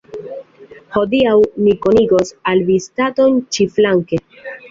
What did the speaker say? Hodiaŭ ni konigos al vi staton ĉiflanke.